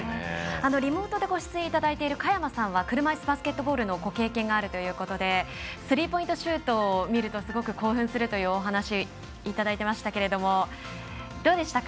リモートでご出演いただいてる佳山さんは車いすバスケットボールのご経験があるということでスリーポイントシュートを見るとすごく興奮するというお話いただいていましたけれどもどうでしたか？